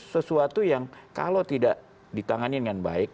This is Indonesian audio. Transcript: sesuatu yang kalau tidak ditangani dengan baik